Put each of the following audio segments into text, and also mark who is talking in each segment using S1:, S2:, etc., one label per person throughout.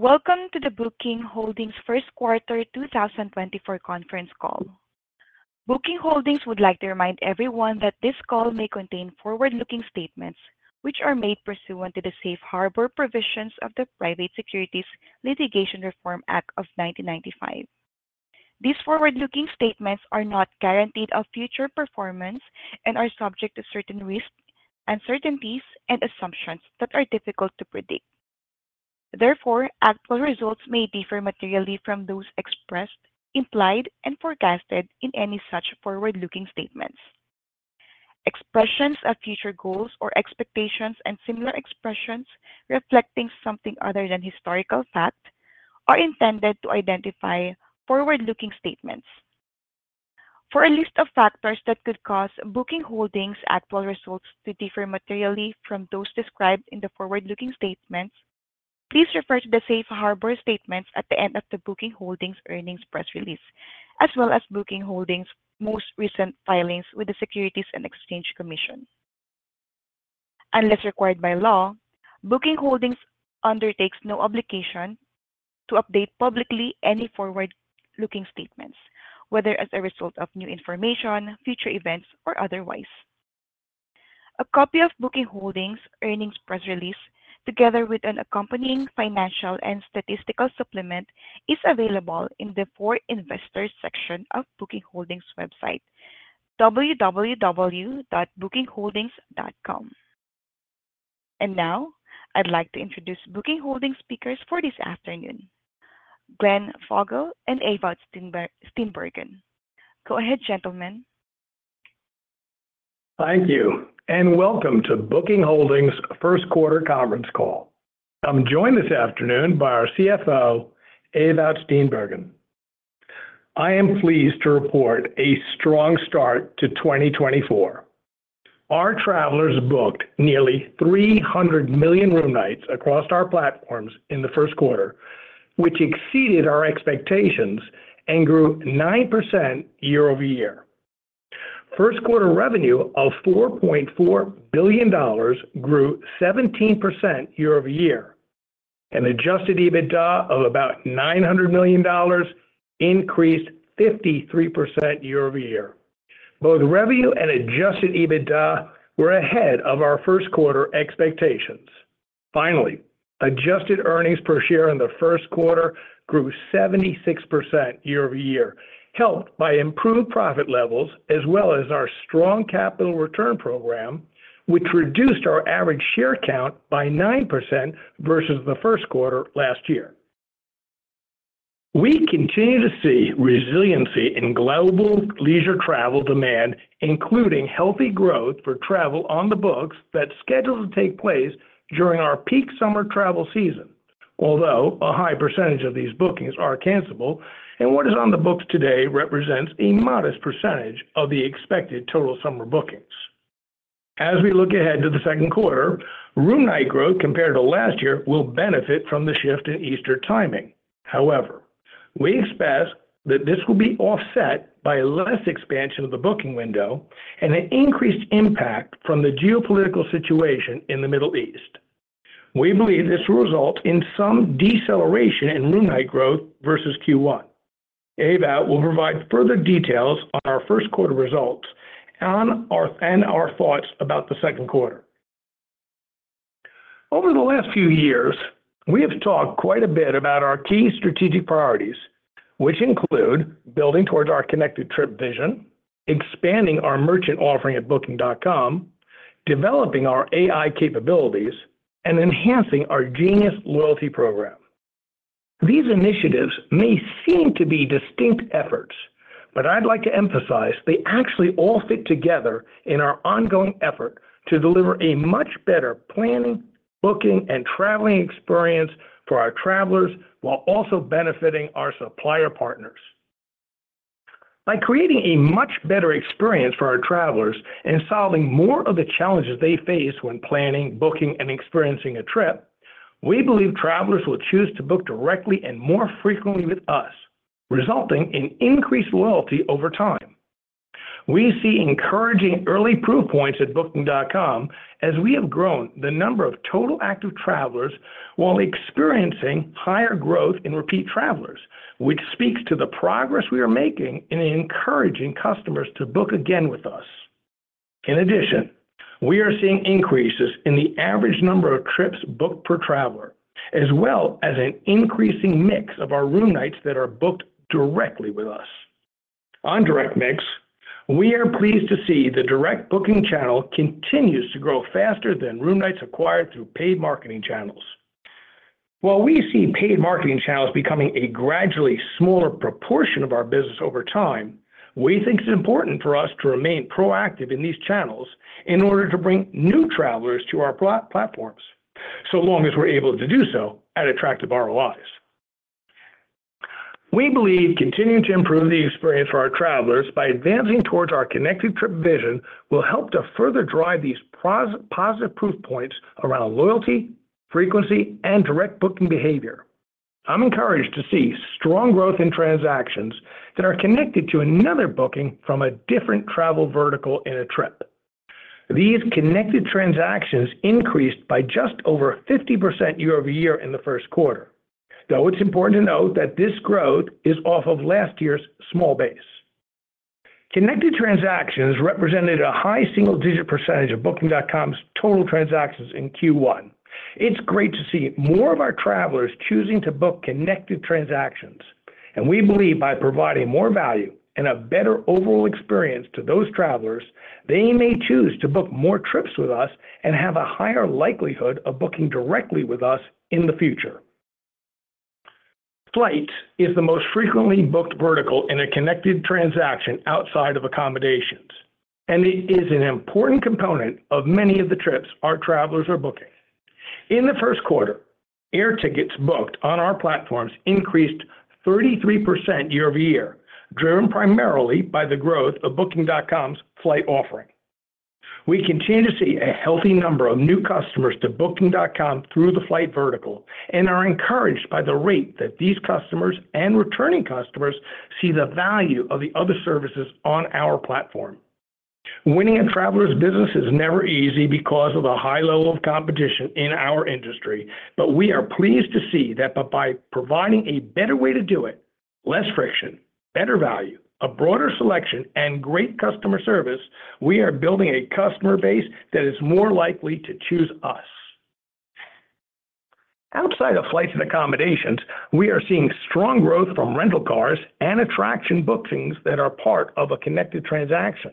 S1: Welcome to the Booking Holdings First Quarter 2024 conference call. Booking Holdings would like to remind everyone that this call may contain forward-looking statements, which are made pursuant to the safe harbor provisions of the Private Securities Litigation Reform Act of 1995. These forward-looking statements are not guaranteed of future performance and are subject to certain risks, uncertainties, and assumptions that are difficult to predict. Therefore, actual results may differ materially from those expressed, implied, and forecasted in any such forward-looking statements. Expressions of future goals or expectations and similar expressions reflecting something other than historical fact are intended to identify forward-looking statements. For a list of factors that could cause Booking Holdings' actual results to differ materially from those described in the forward-looking statements, please refer to the safe harbor statements at the end of the Booking Holdings earnings press release, as well as Booking Holdings' most recent filings with the Securities and Exchange Commission. Unless required by law, Booking Holdings undertakes no obligation to update publicly any forward-looking statements, whether as a result of new information, future events, or otherwise. A copy of Booking Holdings' earnings press release, together with an accompanying financial and statistical supplement, is available in the For Investors section of Booking Holdings' website, www.bookingholdings.com. And now, I'd like to introduce Booking Holdings' speakers for this afternoon, Glenn Fogel and Ewout Steenbergen. Go ahead, gentlemen.
S2: Thank you, and welcome to Booking Holdings' first quarter conference call. I'm joined this afternoon by our CFO, Ewout Steenbergen. I am pleased to report a strong start to 2024. Our travelers booked nearly 300 million room nights across our platforms in the first quarter, which exceeded our expectations and grew 9% year-over-year. First quarter revenue of $4.4 billion grew 17% year-over-year, and Adjusted EBITDA of about $900 million increased 53% year-over-year. Both revenue and Adjusted EBITDA were ahead of our first quarter expectations. Finally, adjusted earnings per share in the first quarter grew 76% year-over-year, helped by improved profit levels as well as our strong capital return program, which reduced our average share count by 9% versus the first quarter last year. We continue to see resiliency in global leisure travel demand, including healthy growth for travel on the books that's scheduled to take place during our peak summer travel season. Although a high percentage of these bookings are cancelable, and what is on the books today represents a modest percentage of the expected total summer bookings. As we look ahead to the second quarter, room night growth compared to last year will benefit from the shift in Easter timing. However, we expect that this will be offset by less expansion of the booking window and an increased impact from the geopolitical situation in the Middle East. We believe this will result in some deceleration in room night growth versus Q1. Ewout will provide further details on our first quarter results and our thoughts about the second quarter. Over the last few years, we have talked quite a bit about our key strategic priorities, which include building towards our Connected Trip vision, expanding our merchant offering at Booking.com, developing our AI capabilities, and enhancing our Genius loyalty program. These initiatives may seem to be distinct efforts, but I'd like to emphasize they actually all fit together in our ongoing effort to deliver a much better planning, booking, and traveling experience for our travelers while also benefiting our supplier partners. By creating a much better experience for our travelers and solving more of the challenges they face when planning, booking, and experiencing a trip, we believe travelers will choose to book directly and more frequently with us, resulting in increased loyalty over time. We see encouraging early proof points at Booking.com as we have grown the number of total active travelers while experiencing higher growth in repeat travelers, which speaks to the progress we are making in encouraging customers to book again with us. In addition, we are seeing increases in the average number of trips booked per traveler, as well as an increasing mix of our room nights that are booked directly with us. On direct mix, we are pleased to see the direct booking channel continues to grow faster than room nights acquired through paid marketing channels. While we see paid marketing channels becoming a gradually smaller proportion of our business over time, we think it's important for us to remain proactive in these channels in order to bring new travelers to our platforms, so long as we're able to do so at attractive ROIs. We believe continuing to improve the experience for our travelers by advancing towards our Connected Trip vision will help to further drive these positive proof points around loyalty, frequency, and direct booking behavior. I'm encouraged to see strong growth in transactions that are connected to another booking from a different travel vertical in a trip. These connected transactions increased by just over 50% year-over-year in the first quarter, though it's important to note that this growth is off of last year's small base. Connected transactions represented a high single-digit percentage of Booking.com's total transactions in Q1. It's great to see more of our travelers choosing to book connected transactions, and we believe by providing more value and a better overall experience to those travelers, they may choose to book more trips with us and have a higher likelihood of booking directly with us in the future. Flight is the most frequently booked vertical in a connected transaction outside of accommodations, and it is an important component of many of the trips our travelers are booking. In the first quarter, air tickets booked on our platforms increased 33% year-over-year, driven primarily by the growth of Booking.com's flight offering. We continue to see a healthy number of new customers to Booking.com through the flight vertical and are encouraged by the rate that these customers and returning customers see the value of the other services on our platform. Winning a traveler's business is never easy because of the high level of competition in our industry, but we are pleased to see that by providing a better way to do it, less friction, better value, a broader selection, and great customer service, we are building a customer base that is more likely to choose us. Outside of flights and accommodations, we are seeing strong growth from rental cars and attraction bookings that are part of a connected transaction.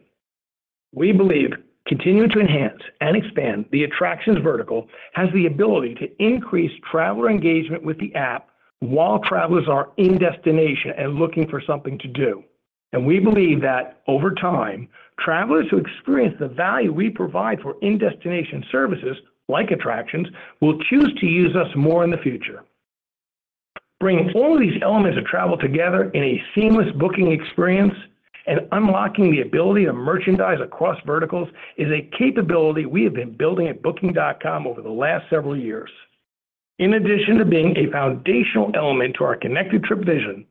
S2: We believe continuing to enhance and expand the attractions vertical has the ability to increase traveler engagement with the app while travelers are in destination and looking for something to do. We believe that over time, travelers who experience the value we provide for in-destination services, like attractions, will choose to use us more in the future. Bringing all these elements of travel together in a seamless booking experience and unlocking the ability to merchandise across verticals is a capability we have been building at Booking.com over the last several years. In addition to being a foundational element to our Connected Trip vision,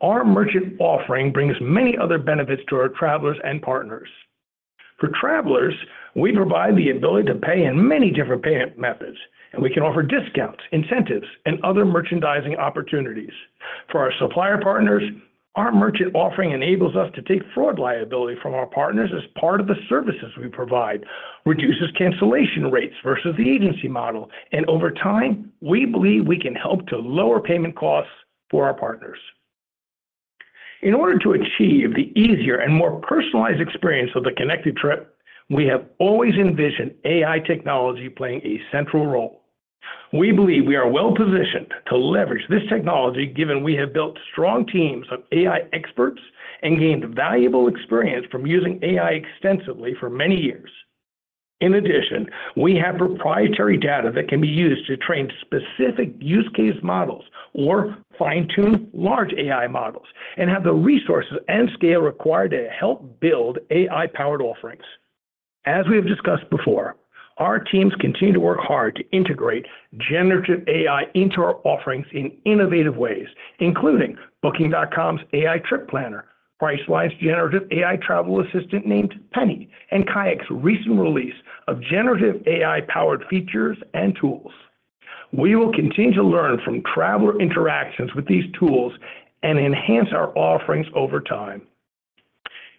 S2: our merchant offering brings many other benefits to our travelers and partners. For travelers, we provide the ability to pay in many different payment methods, and we can offer discounts, incentives, and other merchandising opportunities. For our supplier partners, our merchant offering enables us to take fraud liability from our partners as part of the services we provide, reduces cancellation rates versus the agency model, and over time, we believe we can help to lower payment costs for our partners. In order to achieve the easier and more personalized experience of the Connected Trip, we have always envisioned AI technology playing a central role. We believe we are well-positioned to leverage this technology, given we have built strong teams of AI experts and gained valuable experience from using AI extensively for many years. In addition, we have proprietary data that can be used to train specific use case models or fine-tune large AI models, and have the resources and scale required to help build AI-powered offerings. As we have discussed before, our teams continue to work hard to integrate generative AI into our offerings in innovative ways, including Booking.com's AI Trip Planner, Priceline's generative AI travel assistant named Penny, and Kayak's recent release of generative AI-powered features and tools. We will continue to learn from traveler interactions with these tools and enhance our offerings over time.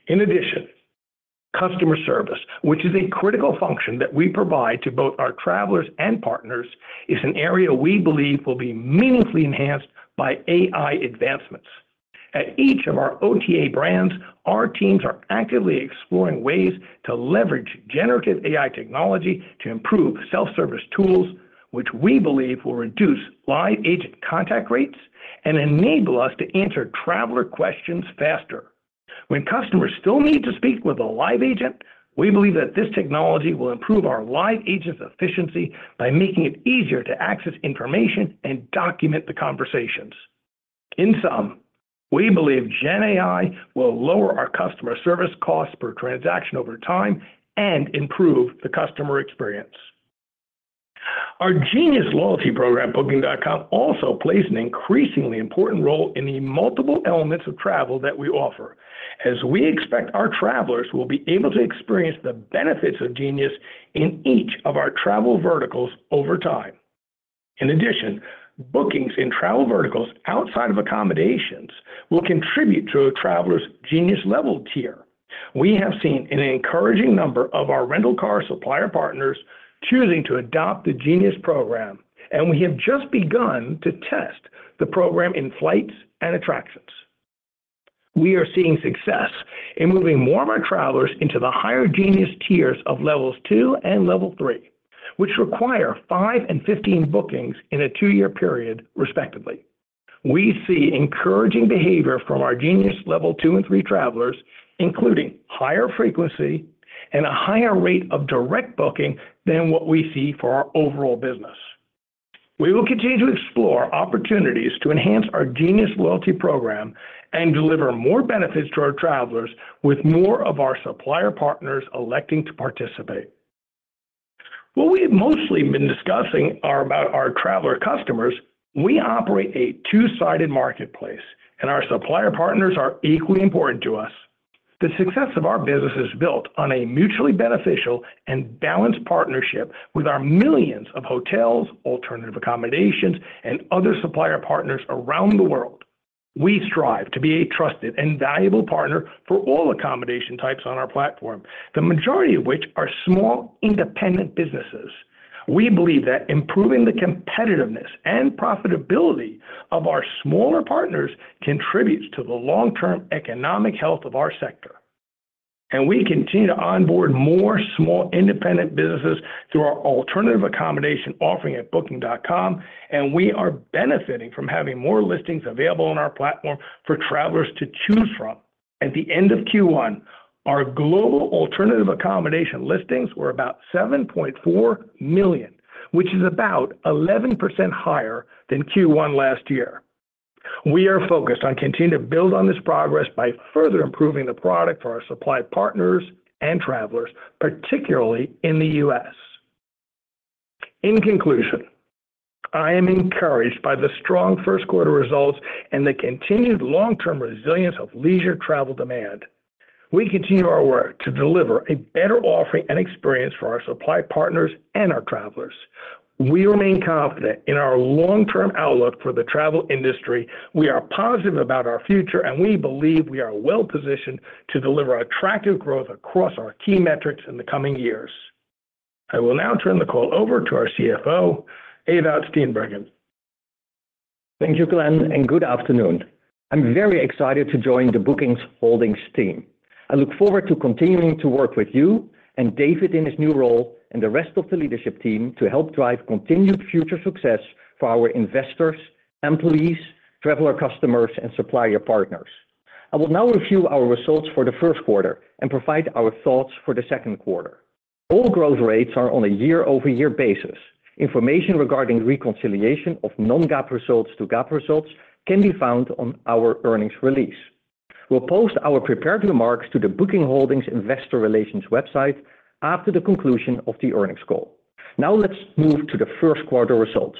S2: In addition, customer service, which is a critical function that we provide to both our travelers and partners, is an area we believe will be meaningfully enhanced by AI advancements. At each of our OTA brands, our teams are actively exploring ways to leverage Generative AI technology to improve self-service tools, which we believe will reduce live agent contact rates and enable us to answer traveler questions faster. When customers still need to speak with a live agent, we believe that this technology will improve our live agents' efficiency by making it easier to access information and document the conversations. In sum, we believe Gen AI will lower our customer service costs per transaction over time and improve the customer experience. Our Genius loyalty program, Booking.com, also plays an increasingly important role in the multiple elements of travel that we offer, as we expect our travelers will be able to experience the benefits of Genius in each of our travel verticals over time. In addition, bookings in travel verticals outside of accommodations will contribute to a traveler's Genius level tier. We have seen an encouraging number of our rental car supplier partners choosing to adopt the Genius program, and we have just begun to test the program in flights and attractions. We are seeing success in moving more of our travelers into the higher Genius tiers of Levels 2 and Level 3, which require five and 15 bookings in a two-year period, respectively. We see encouraging behavior from our Genius level two and three travelers, including higher frequency and a higher rate of direct booking than what we see for our overall business. We will continue to explore opportunities to enhance our Genius loyalty program and deliver more benefits to our travelers, with more of our supplier partners electing to participate. Well, we've mostly been discussing are about our traveler customers. We operate a two-sided marketplace, and our supplier partners are equally important to us. The success of our business is built on a mutually beneficial and balanced partnership with our millions of hotels, alternative accommodations, and other supplier partners around the world. We strive to be a trusted and valuable partner for all accommodation types on our platform, the majority of which are small, independent businesses. We believe that improving the competitiveness and profitability of our smaller partners contributes to the long-term economic health of our sector. We continue to onboard more small, independent businesses through our alternative accommodation offering at Booking.com, and we are benefiting from having more listings available on our platform for travelers to choose from. At the end of Q1, our global alternative accommodation listings were about 7.4 million, which is about 11% higher than Q1 last year. We are focused on continuing to build on this progress by further improving the product for our supply partners and travelers, particularly in the U.S. In conclusion, I am encouraged by the strong first quarter results and the continued long-term resilience of leisure travel demand. We continue our work to deliver a better offering and experience for our supply partners and our travelers. We remain confident in our long-term outlook for the travel industry. We are positive about our future, and we believe we are well-positioned to deliver attractive growth across our key metrics in the coming years. I will now turn the call over to our CFO, Ewout Steenbergen.
S3: Thank you, Glenn, and good afternoon. I'm very excited to join the Booking Holdings team. I look forward to continuing to work with you and David in his new role and the rest of the leadership team to help drive continued future success for our investors, employees, traveler customers, and supplier partners. I will now review our results for the first quarter and provide our thoughts for the second quarter. All growth rates are on a year-over-year basis. Information regarding reconciliation of non-GAAP results to GAAP results can be found on our earnings release. We'll post our prepared remarks to the Booking Holdings investor relations website after the conclusion of the earnings call. Now let's move to the first quarter results.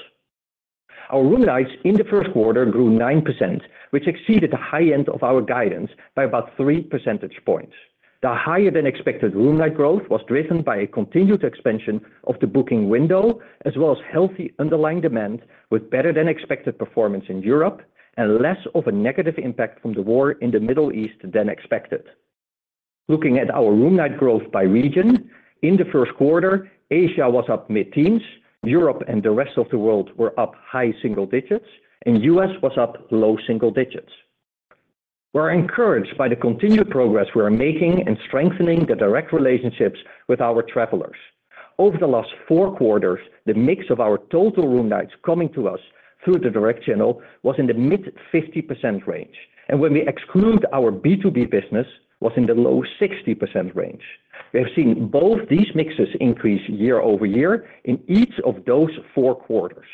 S3: Our room nights in the first quarter grew 9%, which exceeded the high end of our guidance by about three percentage points. The higher than expected room night growth was driven by a continued expansion of the booking window, as well as healthy underlying demand, with better-than-expected performance in Europe and less of a negative impact from the war in the Middle East than expected. Looking at our room night growth by region, in the first quarter, Asia was up mid-teens, Europe and the rest of the world were up high single digits, and U.S. was up low single digits. We are encouraged by the continued progress we are making in strengthening the direct relationships with our travelers. Over the last four quarters, the mix of our total room nights coming to us through the direct channel was in the mid-50% range, and when we exclude our B2B business, was in the low 60% range. We have seen both these mixes increase year-over-year in each of those four quarters.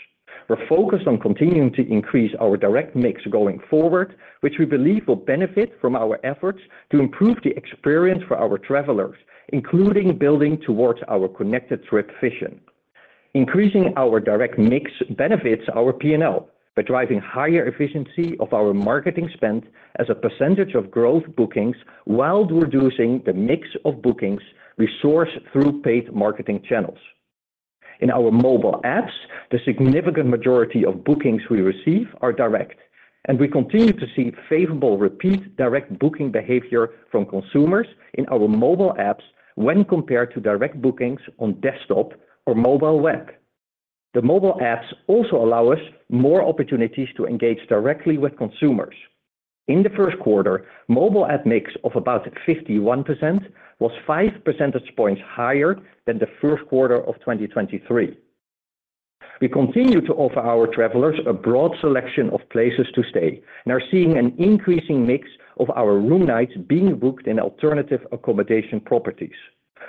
S3: We're focused on continuing to increase our direct mix going forward, which we believe will benefit from our efforts to improve the experience for our travelers, including building towards our Connected Trip vision. Increasing our direct mix benefits our P&L by driving higher efficiency of our marketing spend as a percentage of gross bookings, while reducing the mix of bookings we source through paid marketing channels. In our mobile apps, the significant majority of bookings we receive are direct, and we continue to see favorable repeat direct booking behavior from consumers in our mobile apps when compared to direct bookings on desktop or mobile web. The mobile apps also allow us more opportunities to engage directly with consumers. In the first quarter, mobile app mix of about 51% was five percentage points higher than the first quarter of 2023. We continue to offer our travelers a broad selection of places to stay and are seeing an increasing mix of our room nights being booked in alternative accommodation properties.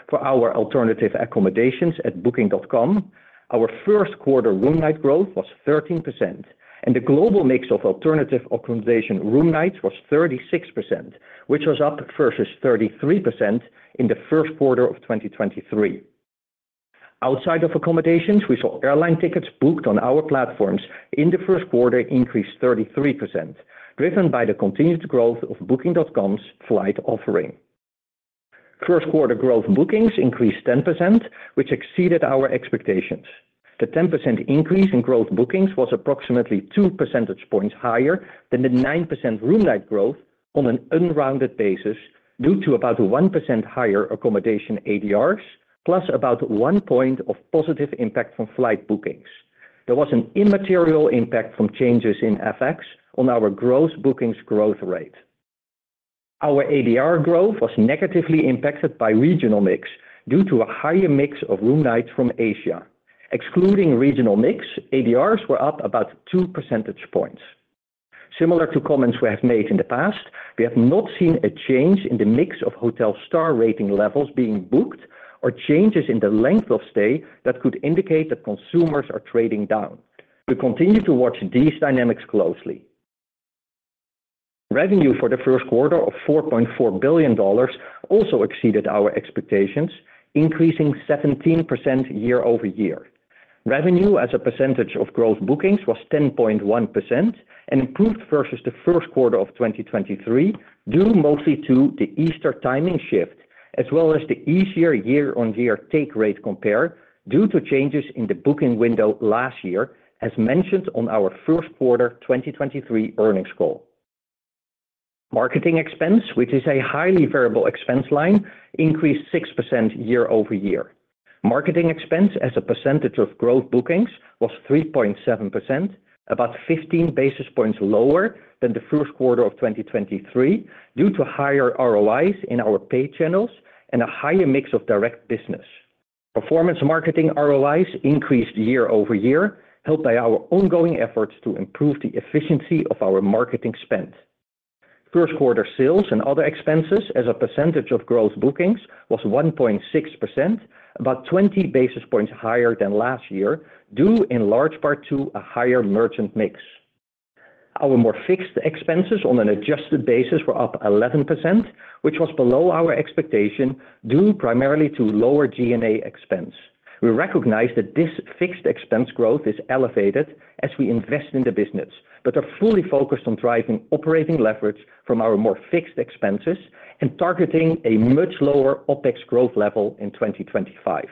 S3: For our alternative accommodations at Booking.com, our first quarter room night growth was 13%, and the global mix of alternative accommodation room nights was 36%, which was up versus 33% in the first quarter of 2023. Outside of accommodations, we saw airline tickets booked on our platforms in the first quarter increase 33%, driven by the continued growth of Booking.com's flight offering. First quarter gross bookings increased 10%, which exceeded our expectations. The 10% increase in gross bookings was approximately two percentage points higher than the 9% room night growth on an unrounded basis, due to about 1% higher accommodation ADRs, plus about one point of positive impact from flight bookings. There was an immaterial impact from changes in FX on our gross bookings growth rate. Our ADR growth was negatively impacted by regional mix due to a higher mix of room nights from Asia. Excluding regional mix, ADRs were up about two percentage points. Similar to comments we have made in the past, we have not seen a change in the mix of hotel star rating levels being booked or changes in the length of stay that could indicate that consumers are trading down. We continue to watch these dynamics closely. Revenue for the first quarter of $4.4 billion also exceeded our expectations, increasing 17% year-over-year. Revenue as a percentage of gross bookings was 10.1% and improved versus the first quarter of 2023, due mostly to the Easter timing shift, as well as the easier year-on-year take rate compare due to changes in the booking window last year, as mentioned on our first quarter 2023 earnings call. Marketing expense, which is a highly variable expense line, increased 6% year-over-year. Marketing expense as a percentage of gross bookings was 3.7%, about 15 basis points lower than the first quarter of 2023, due to higher ROIs in our paid channels and a higher mix of direct business. Performance marketing ROIs increased year-over-year, helped by our ongoing efforts to improve the efficiency of our marketing spend. First quarter sales and other expenses as a percentage of gross bookings was 1.6%, about 20 basis points higher than last year, due in large part to a higher merchant mix. Our core fixed expenses on an adjusted basis were up 11%, which was below our expectation, due primarily to lower G&A expense. We recognize that this fixed expense growth is elevated as we invest in the business, but are fully focused on driving operating leverage from our core fixed expenses and targeting a much lower OpEx growth level in 2025.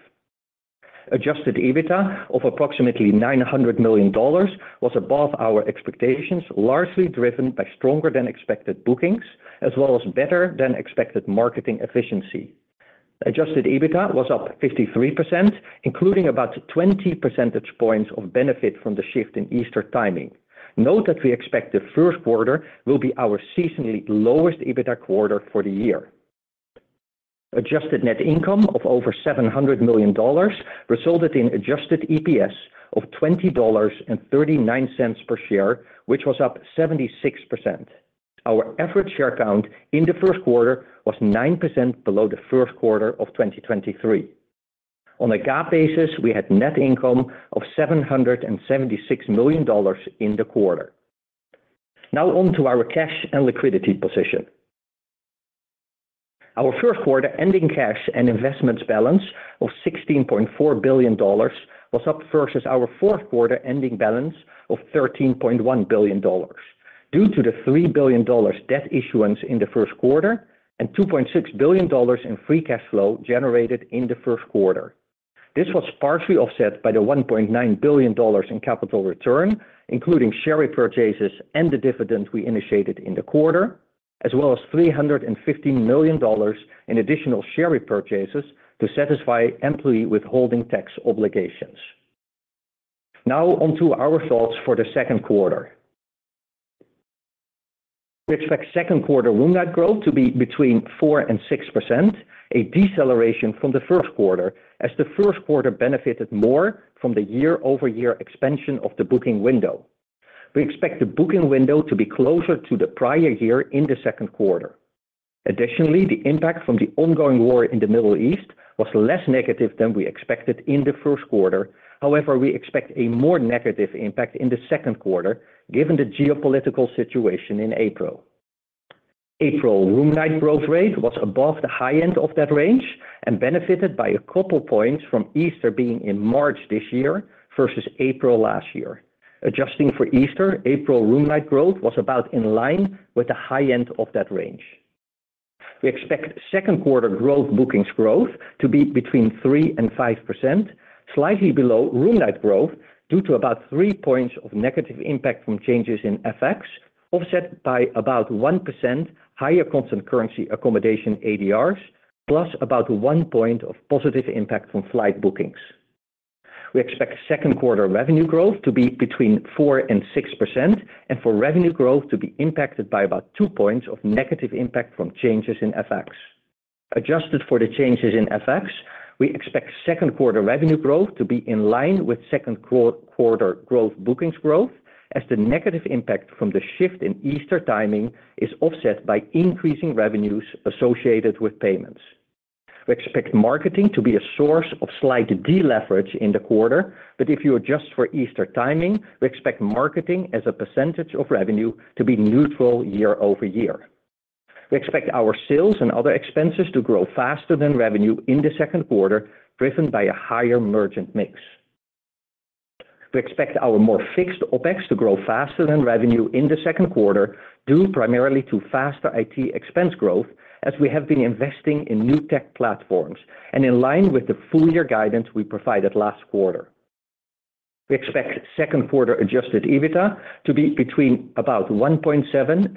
S3: Adjusted EBITDA of approximately $900 million was above our expectations, largely driven by stronger than expected bookings, as well as better than expected marketing efficiency. Adjusted EBITDA was up 53%, including about 20 percentage points of benefit from the shift in Easter timing. Note that we expect the first quarter will be our seasonally lowest EBITDA quarter for the year. Adjusted net income of over $700 million resulted in adjusted EPS of $20.39 per share, which was up 76%. Our average share count in the first quarter was 9% below the first quarter of 2023. On a GAAP basis, we had net income of $776 million in the quarter. Now on to our cash and liquidity position. Our first quarter ending cash and investments balance of $16.4 billion was up versus our fourth quarter ending balance of $13.1 billion, due to the $3 billion debt issuance in the first quarter and $2.6 billion in free cash flow generated in the first quarter. This was partially offset by the $1.9 billion in capital return, including share repurchases and the dividend we initiated in the quarter, as well as $350 million in additional share repurchases to satisfy employee withholding tax obligations. Now on to our thoughts for the second quarter. We expect second quarter room night growth to be between 4% and 6%, a deceleration from the first quarter, as the first quarter benefited more from the year-over-year expansion of the booking window. We expect the booking window to be closer to the prior year in the second quarter. Additionally, the impact from the ongoing war in the Middle East was less negative than we expected in the first quarter. However, we expect a more negative impact in the second quarter, given the geopolitical situation in April. April room night growth rate was above the high end of that range and benefited by a couple points from Easter being in March this year versus April last year. Adjusting for Easter, April room night growth was about in line with the high end of that range. We expect second quarter growth bookings growth to be between 3% and 5%, slightly below room night growth, due to about three points of negative impact from changes in FX, offset by about 1% higher constant currency accommodation ADRs, plus about one point of positive impact from flight bookings. We expect second quarter revenue growth to be between 4% and 6%, and for revenue growth to be impacted by about two points of negative impact from changes in FX. Adjusted for the changes in FX, we expect second quarter revenue growth to be in line with second quarter gross bookings growth, as the negative impact from the shift in Easter timing is offset by increasing revenues associated with payments. We expect marketing to be a source of slight deleverage in the quarter, but if you adjust for Easter timing, we expect marketing as a percentage of revenue to be neutral year-over-year. We expect our sales and other expenses to grow faster than revenue in the second quarter, driven by a higher merchant mix. We expect our more fixed OpEx to grow faster than revenue in the second quarter, due primarily to faster IT expense growth as we have been investing in new tech platforms and in line with the full year guidance we provided last quarter. We expect second quarter adjusted EBITDA to be between about $1.7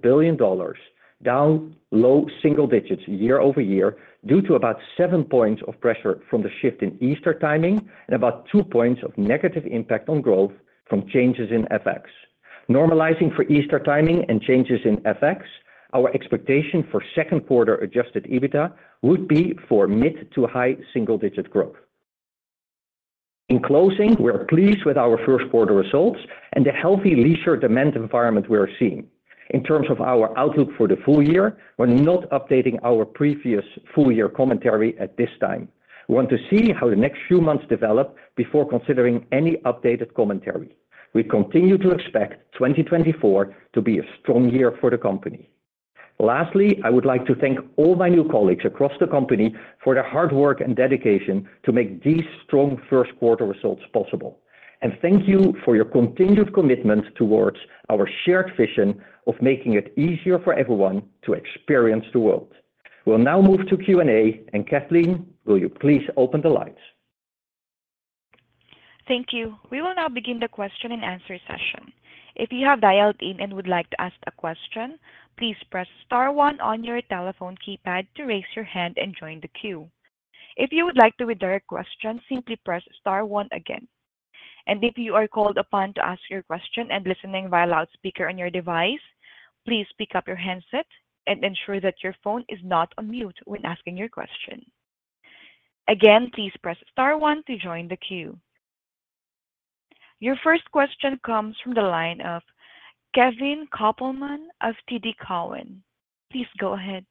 S3: billion and $1.75 billion, down low single digits year-over-year, due to about seven points of pressure from the shift in Easter timing and about two points of negative impact on growth from changes in FX. Normalizing for Easter timing and changes in FX, our expectation for second quarter adjusted EBITDA would be for mid- to high-single-digit growth. In closing, we are pleased with our first quarter results and the healthy leisure demand environment we are seeing. In terms of our outlook for the full year, we're not updating our previous full year commentary at this time. We want to see how the next few months develop before considering any updated commentary. We continue to expect 2024 to be a strong year for the company. Lastly, I would like to thank all my new colleagues across the company for their hard work and dedication to make these strong first quarter results possible. Thank you for your continued commitment towards our shared vision of making it easier for everyone to experience the world. We'll now move to Q&A, and Kathleen, will you please open the lines?
S1: Thank you. We will now begin the question-and-answer session. If you have dialed in and would like to ask a question, please press star one on your telephone keypad to raise your hand and join the queue. If you would like to withdraw your question, simply press star one again. If you are called upon to ask your question and listening via loudspeaker on your device, please pick up your handset and ensure that your phone is not on mute when asking your question. Again, please press star one to join the queue. Your first question comes from the line of Kevin Kopelman of TD Cowen. Please go ahead.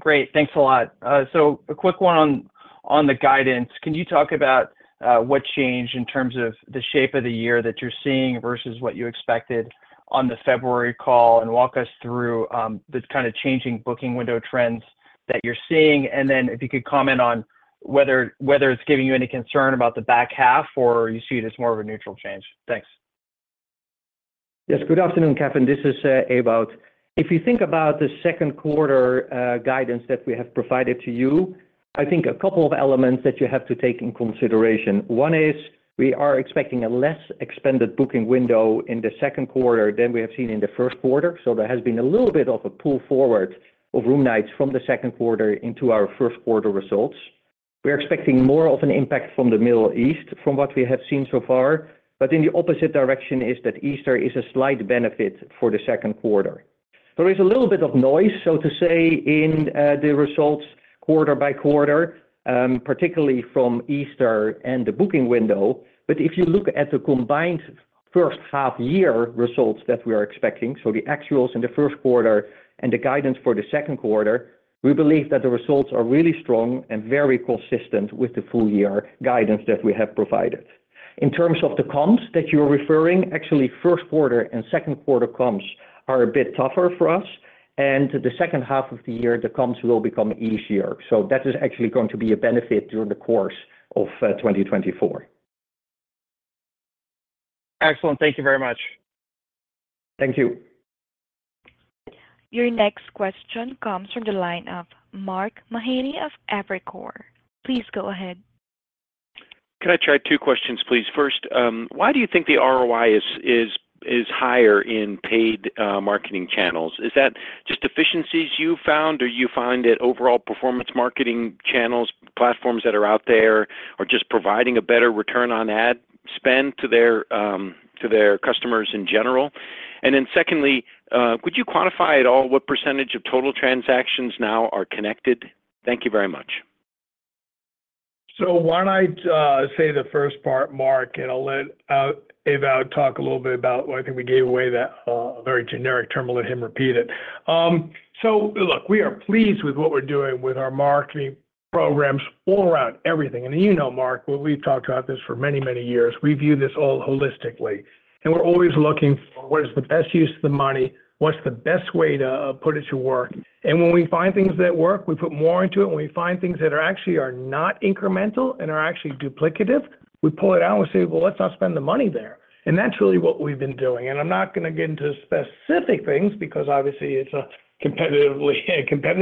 S4: Great. Thanks a lot. So a quick one on the guidance. Can you talk about what changed in terms of the shape of the year that you're seeing versus what you expected on the February call? And walk us through the kind of changing booking window trends that you're seeing. And then if you could comment on whether it's giving you any concern about the back half or you see it as more of a neutral change. Thanks.
S3: Yes, good afternoon, Kevin. This is Ewout. If you think about the second quarter guidance that we have provided to you, I think a couple of elements that you have to take in consideration. One is, we are expecting a less expanded booking window in the second quarter than we have seen in the first quarter, so there has been a little bit of a pull forward of room nights from the second quarter into our first quarter results. We are expecting more of an impact from the Middle East from what we have seen so far, but in the opposite direction is that Easter is a slight benefit for the second quarter. There is a little bit of noise, so to say, in the results quarter by quarter, particularly from Easter and the booking window. But if you look at the combined first half year results that we are expecting, so the actuals in the first quarter and the guidance for the second quarter, we believe that the results are really strong and very consistent with the full year guidance that we have provided. In terms of the comps that you're referring, actually, first quarter and second quarter comps are a bit tougher for us, and the second half of the year, the comps will become easier. So that is actually going to be a benefit during the course of 2024.
S4: Excellent. Thank you very much.
S3: Thank you.
S1: Your next question comes from the line of Mark Mahaney of Evercore. Please go ahead.
S5: Can I try two questions, please? First, why do you think the ROI is higher in paid marketing channels? Is that just efficiencies you found, or you find that overall performance marketing channels, platforms that are out there are just providing a better return on ad spend to their customers in general? And then secondly, would you quantify at all what percentage of total transactions now are connected? Thank you very much.
S2: So why don't I say the first part, Mark, and I'll let Ewout talk a little bit about. Well, I think we gave away that very generic term, and let him repeat it. So look, we are pleased with what we're doing with our marketing programs all around, everything. And you know, Mark, well, we've talked about this for many, many years. We view this all holistically, and we're always looking for what is the best use of the money, what's the best way to put it to work. And when we find things that work, we put more into it, and we find things that are actually are not incremental and are actually duplicative, we pull it out and we say, "Well, let's not spend the money there." And that's really what we've been doing. I'm not gonna get into specific things because obviously, it's a competitive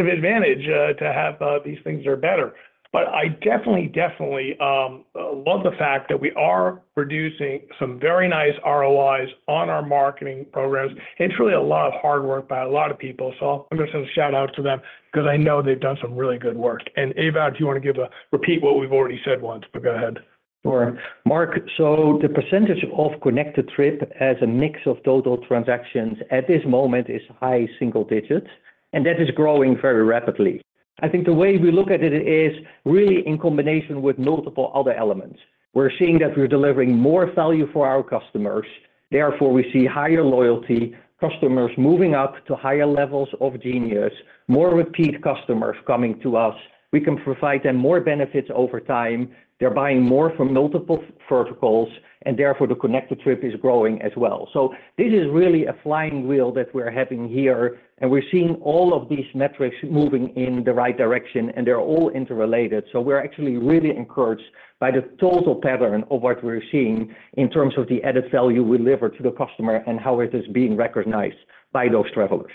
S2: advantage to have these things are better. But I definitely, definitely love the fact that we are producing some very nice ROIs on our marketing programs. It's really a lot of hard work by a lot of people, so I'm gonna send a shout-out to them because I know they've done some really good work. Ewout, do you want to give a repeat what we've already said once, but go ahead.
S3: Sure. Mark, so the percentage of Connected Trip as a mix of total transactions at this moment is high single digits, and that is growing very rapidly. I think the way we look at it is really in combination with multiple other elements. We're seeing that we're delivering more value for our customers, therefore, we see higher loyalty, customers moving up to higher levels of Genius, more repeat customers coming to us. We can provide them more benefits over time. They're buying more from multiple verticals, and therefore, the Connected Trip is growing as well. So this is really a flywheel that we're having here, and we're seeing all of these metrics moving in the right direction, and they're all interrelated. We're actually really encouraged by the total pattern of what we're seeing in terms of the added value we deliver to the customer and how it is being recognized by those travelers.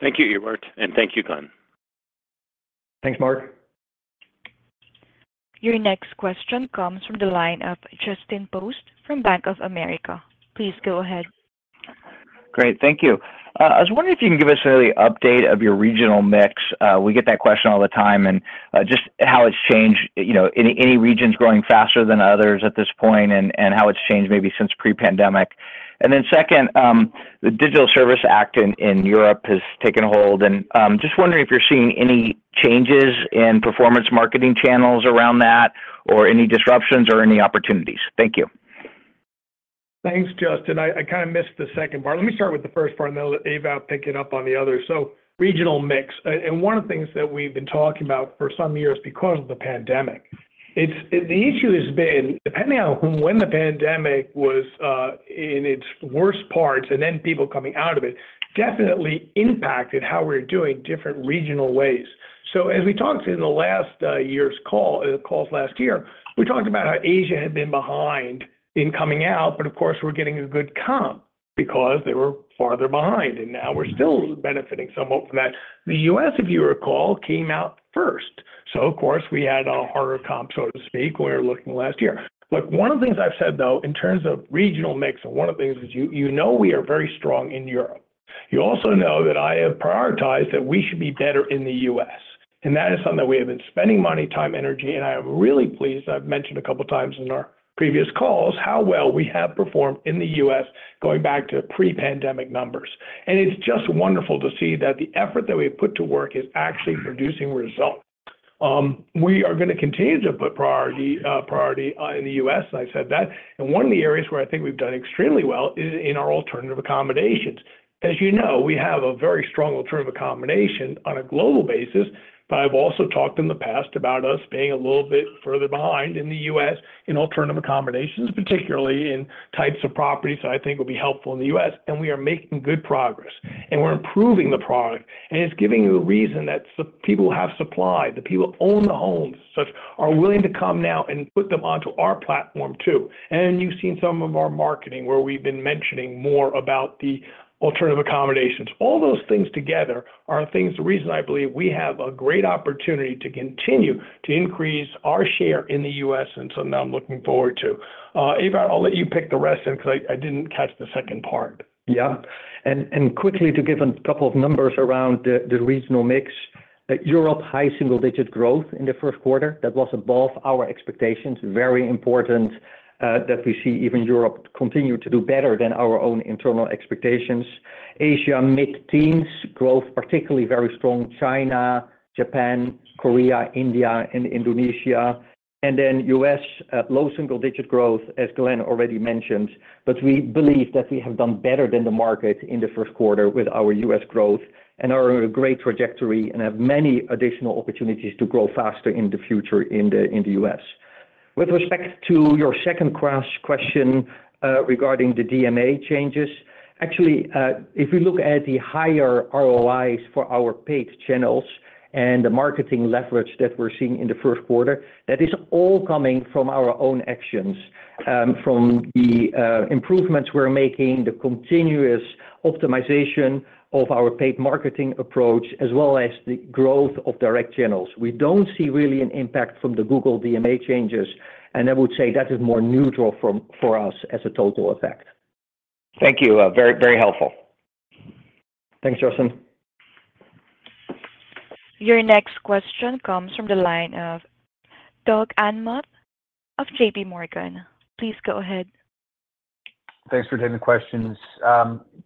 S5: Thank you, Ewout, and thank you, Glenn.
S3: Thanks, Mark.
S1: Your next question comes from the line of Justin Post from Bank of America. Please go ahead.
S6: Great. Thank you. I was wondering if you can give us an early update of your regional mix. We get that question all the time, and just how it's changed, you know, any regions growing faster than others at this point, and how it's changed maybe since pre-pandemic. Then second, the Digital Services Act in Europe has taken hold, and just wondering if you're seeing any changes in performance marketing channels around that, or any disruptions or any opportunities? Thank you.
S2: Thanks, Justin. I kind of missed the second part. Let me start with the first part, and then I'll let Ewout pick it up on the other. So regional mix. And one of the things that we've been talking about for some years because of the pandemic, the issue has been, depending on when the pandemic was in its worst parts and then people coming out of it, definitely impacted how we're doing different regional ways. So as we talked in the last year's call, calls last year, we talked about how Asia had been behind in coming out, but of course, we're getting a good comp because they were farther behind, and now we're still benefiting somewhat from that. The U.S., if you recall, came out first, so of course, we had a harder comp, so to speak, when we were looking last year. Look, one of the things I've said, though, in terms of regional mix, and one of the things is you, you know we are very strong in Europe. You also know that I have prioritized that we should be better in the U.S., and that is something that we have been spending money, time, energy, and I am really pleased. I've mentioned a couple of times in our previous calls how well we have performed in the U.S. going back to pre-pandemic numbers. It's just wonderful to see that the effort that we've put to work is actually producing results. We are going to continue to put priority, priority, in the U.S., and I've said that. And one of the areas where I think we've done extremely well is in our alternative accommodations. As you know, we have a very strong alternative accommodation on a global basis, but I've also talked in the past about us being a little bit further behind in the U.S. in alternative accommodations, particularly in types of properties that I think will be helpful in the U.S., and we are making good progress. And we're improving the product, and it's giving a reason that people have supply, the people who own the homes, so are willing to come now and put them onto our platform too. And you've seen some of our marketing, where we've been mentioning more about the alternative accommodations. All those things together are things, the reason I believe we have a great opportunity to continue to increase our share in the U.S., and something I'm looking forward to. Ewout, I'll let you pick the rest in, because I didn't catch the second part.
S3: Yeah. And quickly to give a couple of numbers around the regional mix. Europe, high single-digit growth in the first quarter. That was above our expectations. Very important that we see even Europe continue to do better than our own internal expectations. Asia, mid-teens growth, particularly very strong, China, Japan, Korea, India, and Indonesia. And then U.S., low single-digit growth, as Glenn already mentioned. But we believe that we have done better than the market in the first quarter with our U.S. growth and are on a great trajectory and have many additional opportunities to grow faster in the future in the U.S. With respect to your second question, regarding the DMA changes, actually, if we look at the higher ROIs for our paid channels and the marketing leverage that we're seeing in the first quarter, that is all coming from our own actions, from the improvements we're making, the continuous optimization of our paid marketing approach, as well as the growth of direct channels. We don't see really an impact from the Google DMA changes, and I would say that is more neutral for us as a total effect.
S6: Thank you. Very, very helpful.
S3: Thanks, Justin.
S1: Your next question comes from the line of Doug Anmuth of J.P. Morgan. Please go ahead.
S7: Thanks for taking the questions.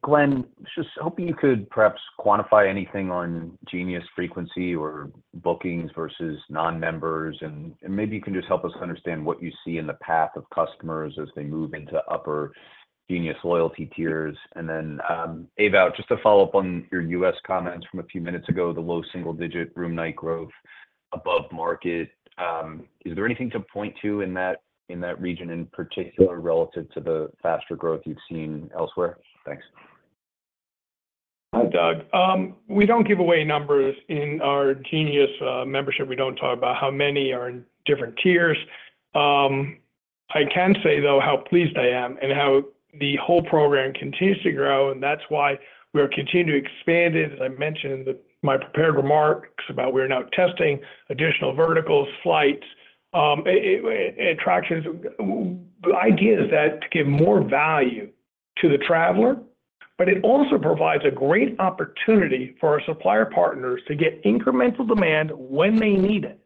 S7: Glenn, just hoping you could perhaps quantify anything on Genius frequency or bookings versus non-members, and maybe you can just help us understand what you see in the path of customers as they move into upper Genius loyalty tiers. And then, Ewout, just to follow up on your U.S. comments from a few minutes ago, the low single digit room night growth above market, is there anything to point to in that region in particular, relative to the faster growth you've seen elsewhere? Thanks.
S2: Hi, Doug. We don't give away numbers in our Genius membership. We don't talk about how many are in different tiers. I can say, though, how pleased I am and how the whole program continues to grow, and that's why we are continuing to expand it. As I mentioned in the, my prepared remarks about we're now testing additional verticals, flights, attractions. The idea is that to give more value to the traveler, but it also provides a great opportunity for our supplier partners to get incremental demand when they need it.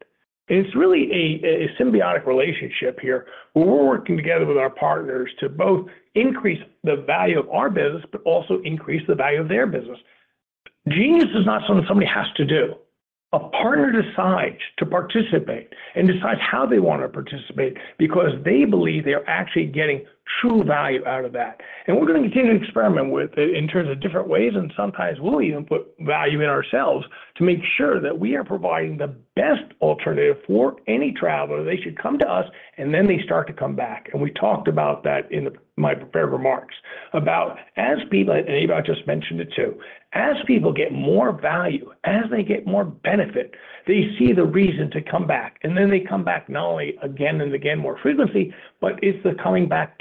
S2: It's really a symbiotic relationship here, where we're working together with our partners to both increase the value of our business, but also increase the value of their business. Genius is not something somebody has to do. A partner decides to participate and decides how they want to participate because they believe they are actually getting true value out of that. We're going to continue to experiment with it in terms of different ways, and sometimes we'll even put value in ourselves to make sure that we are providing the best alternative for any traveler. They should come to us, and then they start to come back. We talked about that in the, my prepared remarks, about as people, and Ewout just mentioned it, too. As people get more value, as they get more benefit, they see the reason to come back, and then they come back not only again and again, more frequently, but it's the coming back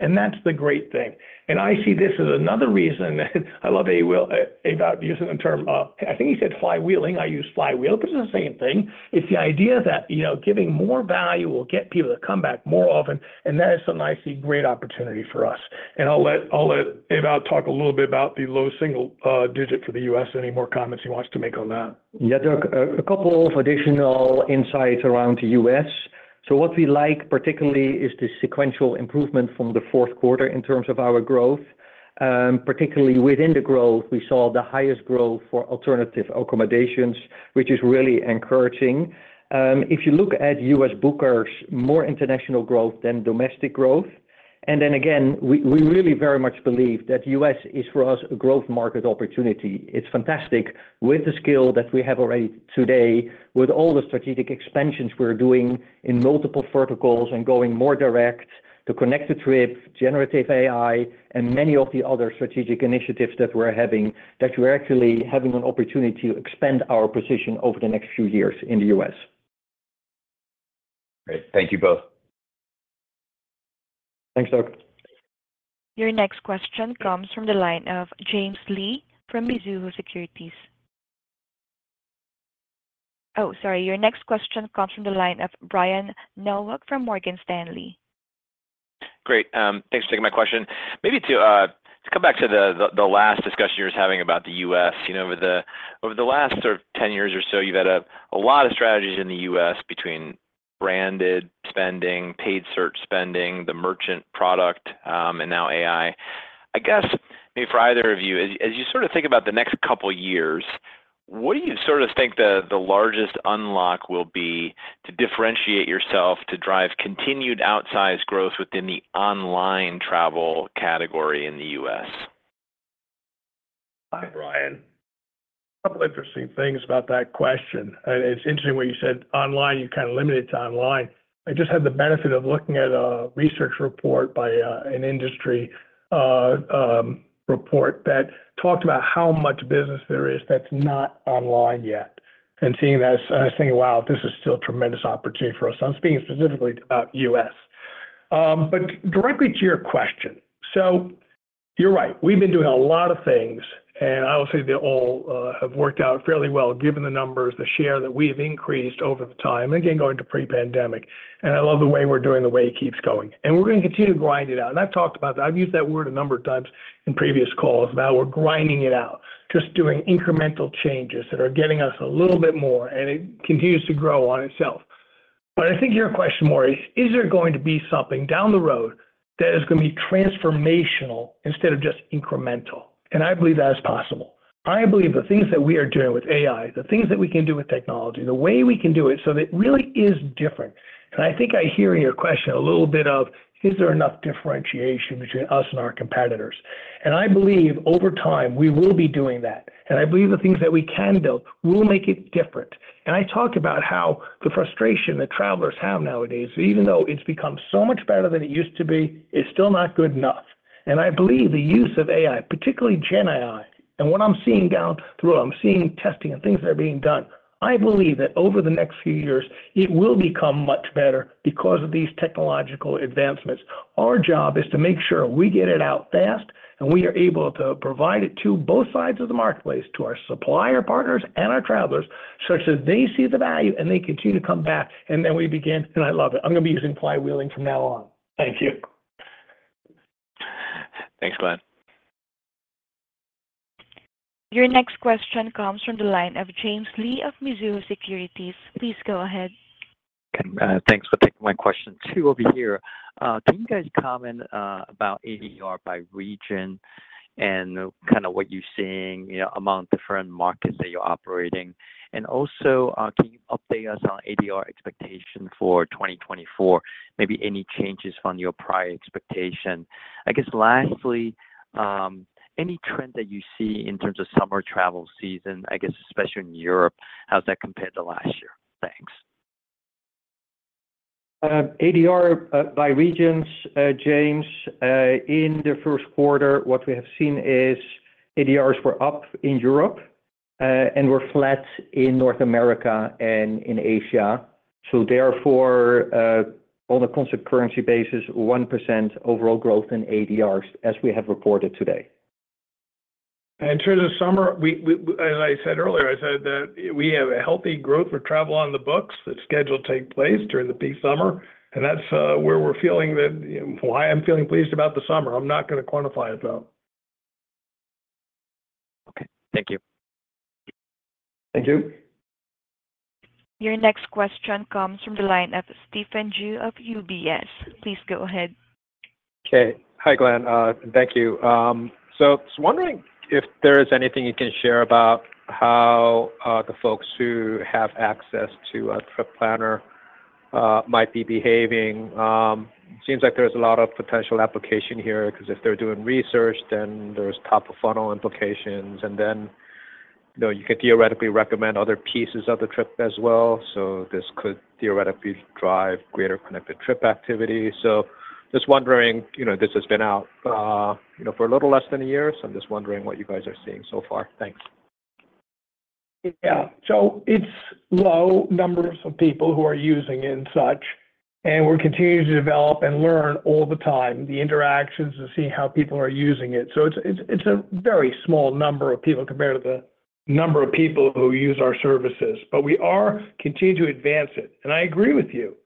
S2: direct. That's the great thing. I see this as another reason. I love Ewout, Ewout using the term, I think he said flywheeling. I use flywheel, but it's the same thing. It's the idea that, you know, giving more value will get people to come back more often, and that is something I see great opportunity for us. And I'll let, I'll let Ewout talk a little bit about the low single digit for the US, any more comments he wants to make on that.
S3: Yeah, Doug, a couple of additional insights around the U.S. So what we like particularly is the sequential improvement from the fourth quarter in terms of our growth, particularly within the growth, we saw the highest growth for alternative accommodations, which is really encouraging. If you look at US bookers, more international growth than domestic growth. And then again, we really very much believe that US is, for us, a growth market opportunity. It's fantastic with the skill that we have already today, with all the strategic expansions we're doing in multiple verticals and going more direct to Connected Trip, generative AI, and many of the other strategic initiatives that we're having, that we're actually having an opportunity to expand our position over the next few years in the US.
S7: Great. Thank you both.
S2: Thanks, Doug.
S1: Your next question comes from the line of James Lee from Mizuho Securities. Oh, sorry, your next question comes from the line of Brian Nowak from Morgan Stanley.
S8: Great. Thanks for taking my question. Maybe to come back to the last discussion you were having about the U.S. You know, over the last sort of 10 years or so, you've had a lot of strategies in the US between branded spending, paid search spending, the merchant product, and now AI. I guess, maybe for either of you, as you sort of think about the next couple of years, what do you sort of think the largest unlock will be to differentiate yourself, to drive continued outsized growth within the online travel category in the U.S.?
S2: Hi, Brian. A couple interesting things about that question. It's interesting when you said online, you kind of limited it to online. I just had the benefit of looking at a research report by an industry report that talked about how much business there is that's not online yet. Seeing that, I was saying, "Wow, this is still a tremendous opportunity for us." I'm speaking specifically about U.S. But directly to your question, so you're right. We've been doing a lot of things, and I will say they all have worked out fairly well, given the numbers, the share that we have increased over the time, again, going to pre-pandemic. I love the way we're doing, the way it keeps going. We're gonna continue to grind it out. I've talked about that. I've used that word a number of times in previous calls, that we're grinding it out, just doing incremental changes that are getting us a little bit more, and it continues to grow on itself. But I think your question more is: Is there going to be something down the road that is gonna be transformational instead of just incremental? And I believe that is possible. I believe the things that we are doing with AI, the things that we can do with technology, the way we can do it, so that it really is different. And I think I hear in your question a little bit of, is there enough differentiation between us and our competitors? And I believe over time, we will be doing that, and I believe the things that we can build will make it different. I talked about how the frustration that travelers have nowadays, even though it's become so much better than it used to be, it's still not good enough. And I believe the use of AI, particularly Gen AI, and what I'm seeing down through them. I'm seeing testing and things that are being done. I believe that over the next few years, it will become much better because of these technological advancements. Our job is to make sure we get it out fast, and we are able to provide it to both sides of the marketplace, to our supplier partners and our travelers, such that they see the value and they continue to come back, and then we begin, and I love it. I'm gonna be using fly wheeling from now on. Thank you.
S8: Thanks, Glenn.
S1: Your next question comes from the line of James Lee of Mizuho Securities. Please go ahead.
S9: Okay, thanks for taking my question. Too over here. Can you guys comment about ADR by region and kind of what you're seeing, you know, among different markets that you're operating? And also, can you update us on ADR expectation for 2024? Maybe any changes from your prior expectation. I guess lastly, any trend that you see in terms of summer travel season, I guess, especially in Europe, how does that compare to last year? Thanks.
S3: ADR by regions, James, in the first quarter, what we have seen is ADRs were up in Europe, and were flat in North America and in Asia. So therefore, on a constant currency basis, 1% overall growth in ADRs, as we have reported today.
S2: In terms of summer, as I said earlier, I said that we have a healthy growth for travel on the books that schedule take place during the peak summer, and that's why I'm feeling pleased about the summer. I'm not gonna quantify it, though.
S9: Okay. Thank you.
S1: Thank you. Your next question comes from the line of Stephen Ju of UBS. Please go ahead.
S10: Okay. Hi, Glenn, thank you. So I was wondering if there is anything you can share about how the folks who have access to a trip planner might be behaving. Seems like there's a lot of potential application here, because if they're doing research, then there's top-of-funnel implications, and then, you know, you could theoretically recommend other pieces of the trip as well. So this could theoretically drive greater Connected Trip activity. So just wondering, you know, this has been out, you know, for a little less than a year, so I'm just wondering what you guys are seeing so far. Thanks.
S2: Yeah. So it's low numbers of people who are using and such, and we're continuing to develop and learn all the time, the interactions and seeing how people are using it. So it's a very small number of people compared to the number of people who use our services, but we are continuing to advance it. And I agree with you,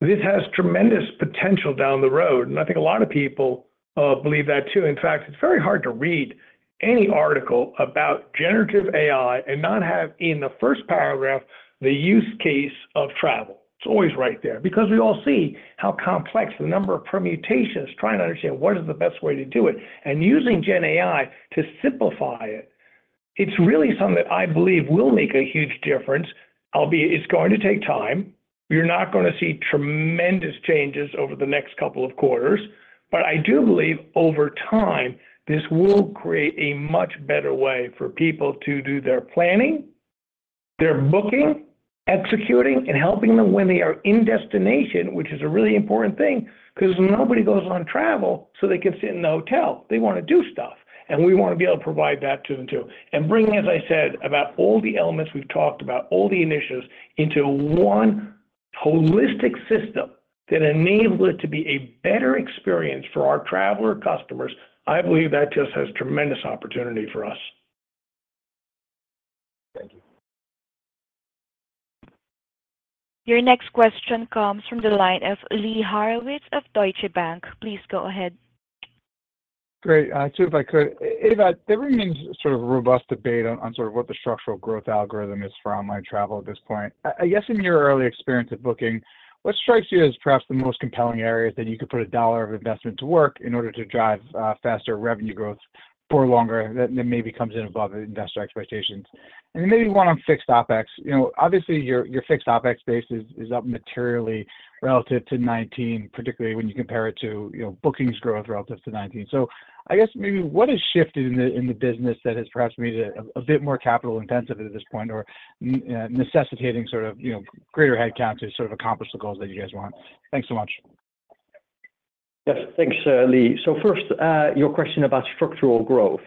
S2: this has tremendous potential down the road, and I think a lot of people believe that, too. In fact, it's very hard to read any article about generative AI and not have, in the first paragraph, the use case of travel. It's always right there, because we all see how complex the number of permutations, trying to understand what is the best way to do it, and using Gen AI to simplify it. It's really something that I believe will make a huge difference. Albeit, it's going to take time. We're not gonna see tremendous changes over the next couple of quarters, but I do believe over time, this will create a much better way for people to do their planning, their booking, executing, and helping them when they are in destination, which is a really important thing, because nobody goes on travel, so they can sit in the hotel. They want to do stuff, and we want to be able to provide that to them too. And bringing, as I said, about all the elements we've talked about, all the initiatives into one holistic system that enables it to be a better experience for our traveler customers. I believe that just has tremendous opportunity for us.
S10: Thank you.
S1: Your next question comes from the line of Lee Horowitz of Deutsche Bank. Please go ahead.
S11: Great. Two, if I could. Ewout, there remains sort of a robust debate on, on sort of what the structural growth algorithm is for online travel at this point. I guess, in your early experience at Booking, what strikes you as perhaps the most compelling areas that you could put a dollar of investment to work in order to drive faster revenue growth for longer, that then maybe comes in above investor expectations? And then maybe one on fixed OpEx. You know, obviously, your, your fixed OpEx base is, is up materially relative to 2019, particularly when you compare it to, you know, bookings growth relative to 2019. I guess maybe what has shifted in the business that has perhaps made it a bit more capital intensive at this point or necessitating sort of, you know, greater headcount to sort of accomplish the goals that you guys want? Thanks so much.
S3: Yes, thanks, Lee. So first, your question about structural growth.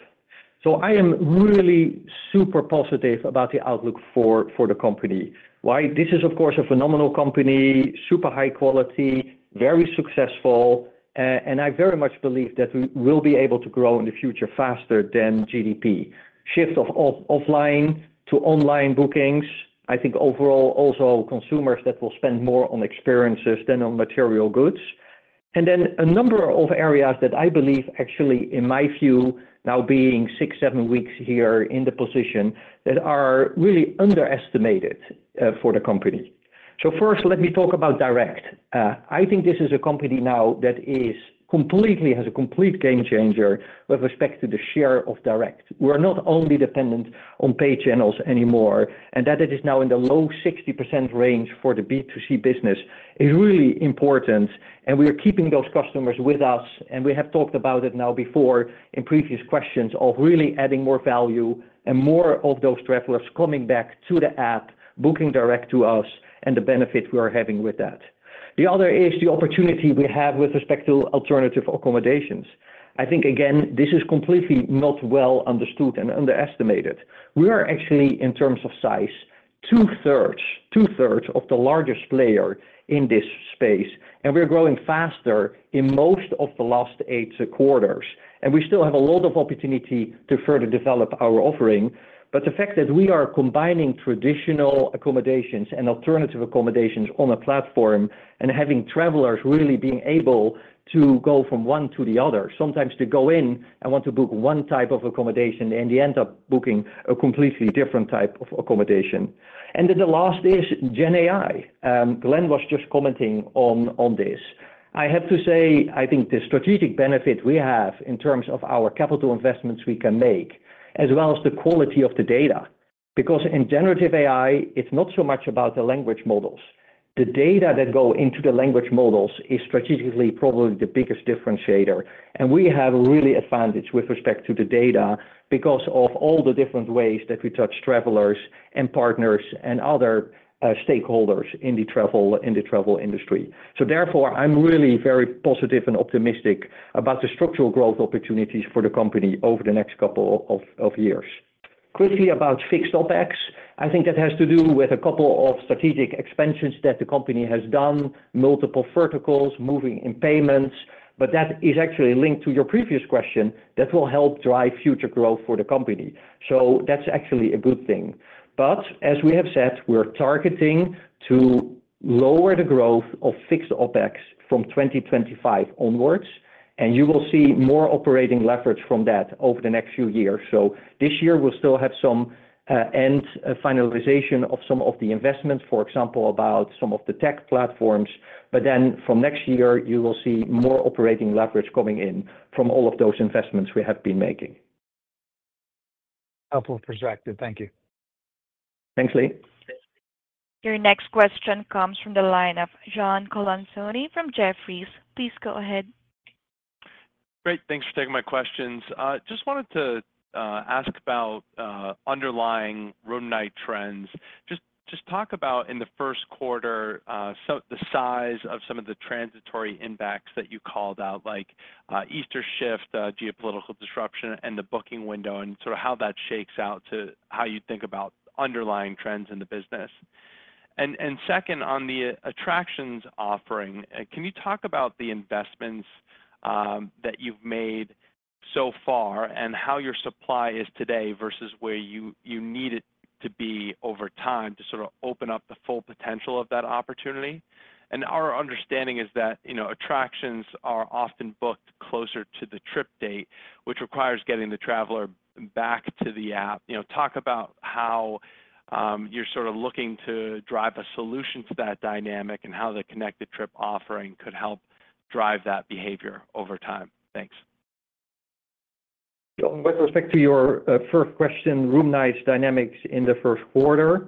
S3: So I am really super positive about the outlook for, for the company. Why? This is, of course, a phenomenal company, super high quality, very successful, and I very much believe that we will be able to grow in the future faster than GDP. Shift of offline to online bookings, I think overall, also consumers that will spend more on experiences than on material goods. And then a number of areas that I believe actually, in my view, now being six, seven weeks here in the position, that are really underestimated, for the company. So first, let me talk about direct. I think this is a company now that is completely, has a complete game changer with respect to the share of direct. We are not only dependent on paid channels anymore, and that it is now in the low 60% range for the B2C business is really important, and we are keeping those customers with us. We have talked about it now before in previous questions of really adding more value and more of those travelers coming back to the app, booking direct to us, and the benefit we are having with that. The other is the opportunity we have with respect to alternative accommodations. I think, again, this is completely not well understood and underestimated. We are actually, in terms of size, 2/3 of the largest player in this space, and we are growing faster in most of the last eight quarters. We still have a lot of opportunity to further develop our offering. But the fact that we are combining traditional accommodations and alternative accommodations on a platform and having travelers really being able to go from one to the other, sometimes to go in and want to book one type of accommodation, and they end up booking a completely different type of accommodation. And then the last is Gen AI. Glenn was just commenting on this. I have to say, I think the strategic benefit we have in terms of our capital investments we can make, as well as the quality of the data, because in generative AI, it's not so much about the language models. The data that go into the language models is strategically probably the biggest differentiator, and we have a really advantage with respect to the data because of all the different ways that we touch travelers and partners and other stakeholders in the travel industry. So therefore, I'm really very positive and optimistic about the structural growth opportunities for the company over the next couple of years. Quickly about fixed OpEx, I think that has to do with a couple of strategic expansions that the company has done, multiple verticals, moving in payments, but that is actually linked to your previous question, that will help drive future growth for the company. So that's actually a good thing. As we have said, we're targeting to lower the growth of fixed OpEx from 2025 onwards, and you will see more operating leverage from that over the next few years. This year, we'll still have some end finalization of some of the investments, for example, about some of the tech platforms, but then from next year, you will see more operating leverage coming in from all of those investments we have been making.
S11: Helpful perspective. Thank you.
S3: Thanks, Lee.
S1: Your next question comes from the line of John Colantuoni from Jefferies. Please go ahead.
S12: Great, thanks for taking my questions. Just wanted to ask about underlying room night trends. Just talk about in the first quarter, so the size of some of the transitory impacts that you called out, like Easter shift, geopolitical disruption, and the booking window, and sort of how that shakes out to how you think about underlying trends in the business. And second, on the attractions offering, can you talk about the investments that you've made so far and how your supply is today versus where you need it to be over time to sort of open up the full potential of that opportunity? And our understanding is that, you know, attractions are often booked closer to the trip date, which requires getting the traveler back to the app. You know, talk about how you're sort of looking to drive a solution to that dynamic and how the Connected Trip offering could help drive that behavior over time. Thanks.
S3: With respect to your first question, room nights dynamics in the first quarter.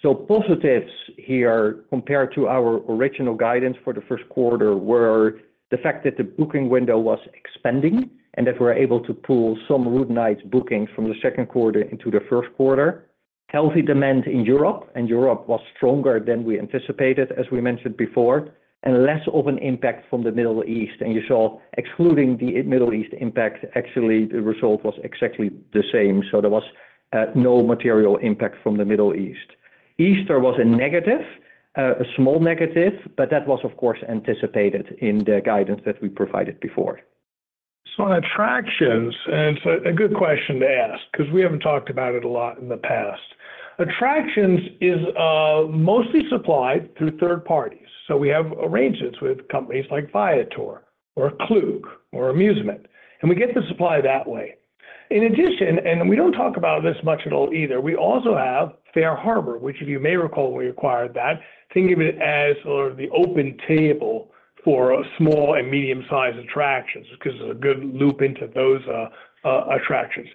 S3: So positives here, compared to our original guidance for the first quarter, were the fact that the booking window was expanding, and that we're able to pull some room nights bookings from the second quarter into the first quarter. Healthy demand in Europe, and Europe was stronger than we anticipated, as we mentioned before, and less of an impact from the Middle East. And you saw, excluding the Middle East impact, actually, the result was exactly the same. So there was no material impact from the Middle East. Easter was a negative, a small negative, but that was, of course, anticipated in the guidance that we provided before.
S2: So on attractions, and it's a good question to ask, 'cause we haven't talked about it a lot in the past. Attractions is mostly supplied through third parties. So we have arrangements with companies like Viator or Klook or Musement, and we get the supply that way. In addition, and we don't talk about this much at all either, we also have FareHarbor, which if you may recall, we acquired that, think of it as sort of the OpenTable for small and medium-sized attractions, because it's a good loop into those attractions.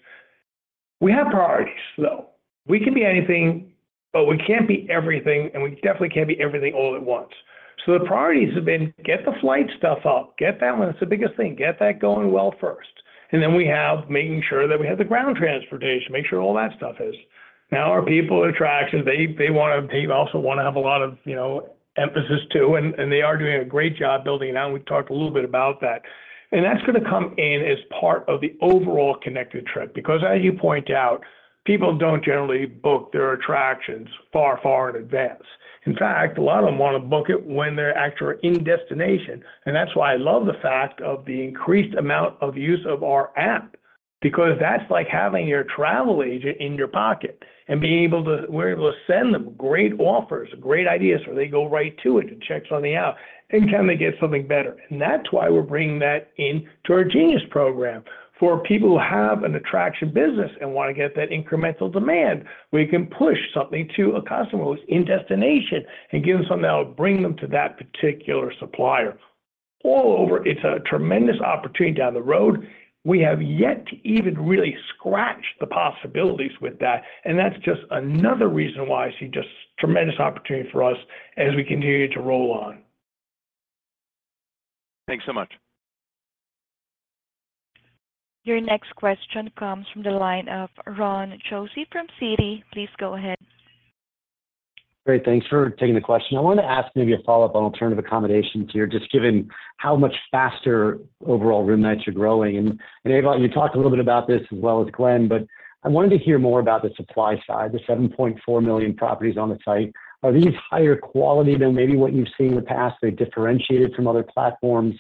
S2: We have priorities, though. We can be anything, but we can't be everything, and we definitely can't be everything all at once. So the priorities have been: get the flight stuff up, get that one, that's the biggest thing, get that going well first. And then we have making sure that we have the ground transportation, make sure all that stuff is... Now, our attractions people, they wanna, they also wanna have a lot of, you know, emphasis, too, and they are doing a great job building it out, and we've talked a little bit about that. And that's gonna come in as part of the overall Connected Trip, because as you point out, people don't generally book their attractions far, far in advance. In fact, a lot of them wanna book it when they're actually in destination, and that's why I love the fact of the increased amount of use of our app. Because that's like having your travel agent in your pocket and being able to—we're able to send them great offers, great ideas, so they go right to it and checks on the app, and can they get something better? And that's why we're bringing that into our Genius program for people who have an attraction business and wanna get that incremental demand, where you can push something to a customer who's in destination and give them something that will bring them to that particular supplier. All over, it's a tremendous opportunity down the road. We have yet to even really scratch the possibilities with that, and that's just another reason why I see just tremendous opportunity for us as we continue to roll on.
S12: Thanks so much.
S1: Your next question comes from the line of Ron Josey from Citi. Please go ahead.
S13: Great, thanks for taking the question. I wanted to ask maybe a follow-up on alternative accommodations here, just given how much faster overall room nights are growing. And Ewout, you talked a little bit about this, as well as Glenn, but I wanted to hear more about the supply side, the 7.4 million properties on the site. Are these higher quality than maybe what you've seen in the past? They're differentiated from other platforms,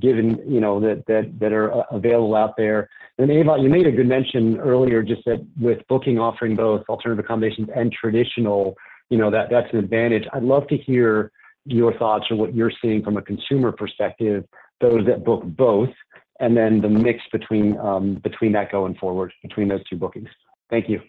S13: given, you know, that are available out there. And Ewout, you made a good mention earlier, just that with Booking, offering both alternative accommodations and traditional, you know, that's an advantage. I'd love to hear your thoughts on what you're seeing from a consumer perspective, those that book both, and then the mix between, between that going forward, between those two bookings. Thank you.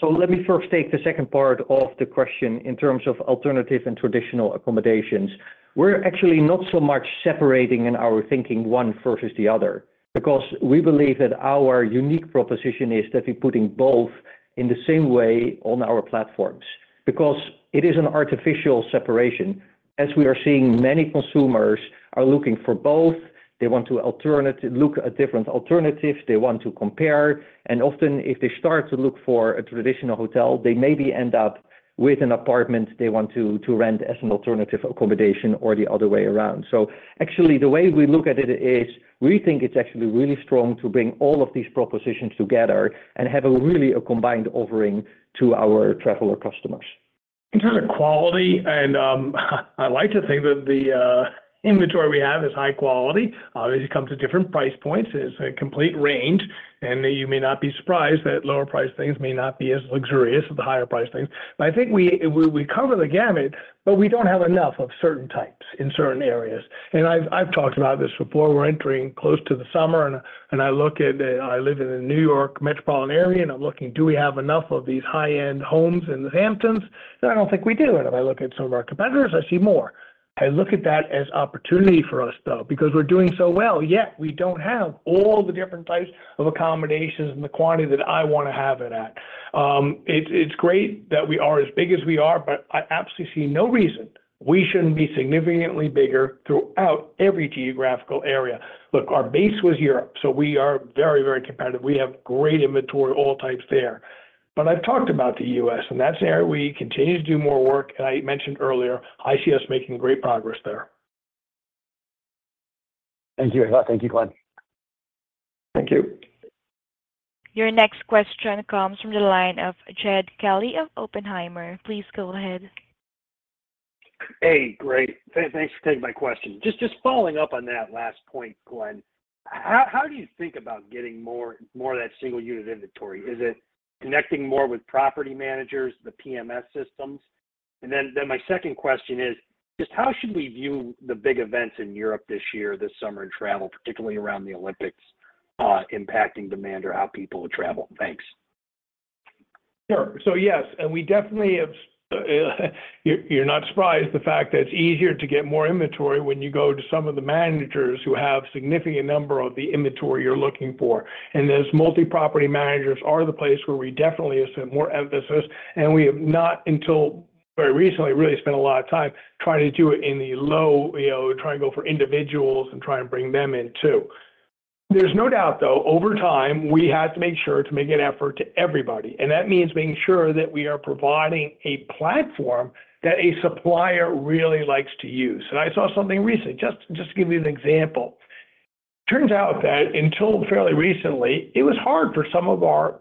S3: So, let me first take the second part of the question in terms of alternative and traditional accommodations. We're actually not so much separating in our thinking one versus the other, because we believe that our unique proposition is that we're putting both in the same way on our platforms, because it is an artificial separation. As we are seeing, many consumers are looking for both. They want to look at different alternatives, they want to compare, and often, if they start to look for a traditional hotel, they maybe end up with an apartment they want to rent as an alternative accommodation or the other way around. So actually, the way we look at it is, we think it's actually really strong to bring all of these propositions together and have a really a combined offering to our traveler customers.
S2: In terms of quality, and I like to think that the inventory we have is high quality. It comes at different price points, it's a complete range, and you may not be surprised that lower priced things may not be as luxurious as the higher priced things. But I think we cover the gamut, but we don't have enough of certain types in certain areas. And I've talked about this before. We're entering close to the summer, and I look at I live in the New York metropolitan area, and I'm looking, do we have enough of these high-end homes in the Hamptons? And I don't think we do. And if I look at some of our competitors, I see more. I look at that as opportunity for us, though, because we're doing so well, yet we don't have all the different types of accommodations and the quantity that I wanna have it at. It's great that we are as big as we are, but I absolutely see no reason we shouldn't be significantly bigger throughout every geographical area. Look, our base was Europe, so we are very, very competitive. We have great inventory of all types there. But I've talked about the U.S., and that's an area we continue to do more work. And I mentioned earlier, I see us making great progress there.
S13: Thank you, Ewout. Thank you, Glenn.
S2: Thank you.
S1: Your next question comes from the line of Jed Kelly of Oppenheimer. Please go ahead.
S14: Hey, great. Thanks for taking my question. Just following up on that last point, Glenn, how do you think about getting more of that single unit inventory? Is it connecting more with property managers, the PMS systems? And then, then my second question is, just how should we view the big events in Europe this year, this summer, in travel, particularly around the Olympics, impacting demand or how people will travel? Thanks.
S2: Sure. So yes, and we definitely have, you're not surprised the fact that it's easier to get more inventory when you go to some of the managers who have significant number of the inventory you're looking for. And those multi-property managers are the place where we definitely have spent more emphasis, and we have not, until very recently, really spent a lot of time trying to do it in the low, you know, trying to go for individuals and try and bring them in, too. There's no doubt, though, over time, we have to make sure to make an effort to everybody, and that means being sure that we are providing a platform that a supplier really likes to use. And I saw something recently, just to give you an example. Turns out that until fairly recently, it was hard for some of our